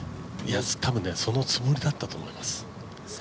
多分そのつもりだったと思います。